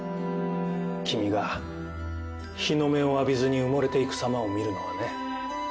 君が日の目を浴びずに埋もれていくさまを見るのはね